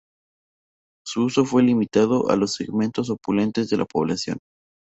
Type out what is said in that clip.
Su uso fue limitado a los segmentos opulentos de la población.